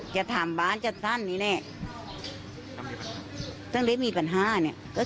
จะถามบ้านจัดสรรนี้ไงมีปัญหาเนี้ย